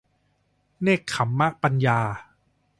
เนกขัมมะปัญญา